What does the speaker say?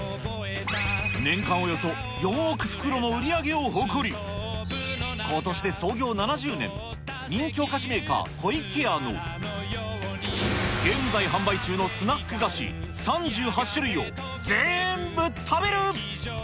年間およそ４億袋の売り上げを誇り、ことしで創業７０年、人気お菓子メーカー、湖池屋の現在販売中のスナック菓子３８種類を、全部食べる。